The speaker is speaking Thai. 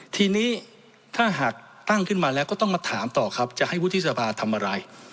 ทีนี้ถ้าหากตั้งขึ้นมาแล้วก็ต้องมาถามต่อครับจะให้วุฒิสภาทำอะไร